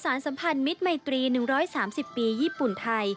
สัมพันธ์มิตรมัยตรี๑๓๐ปีญี่ปุ่นไทย